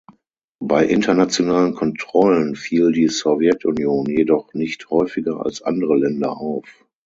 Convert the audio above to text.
Bei internationalen Kontrollen fiel die Sowjetunion jedoch nicht häufiger als andere Länder auf.